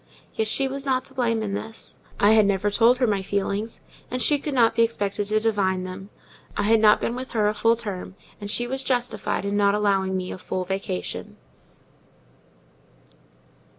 Yet she was not to blame in this. I had never told her my feelings, and she could not be expected to divine them; I had not been with her a full term, and she was justified in not allowing me a full vacation.